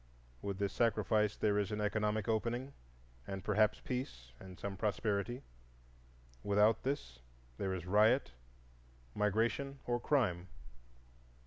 With this sacrifice there is an economic opening, and perhaps peace and some prosperity. Without this there is riot, migration, or crime.